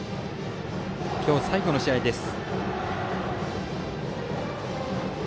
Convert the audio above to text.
今日最後の試合です。